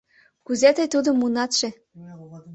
Кузе тый тудым муынатше?